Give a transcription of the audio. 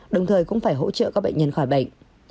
đồng thời cũng phải hỗ trợ các bệnh nhân khỏi bệnh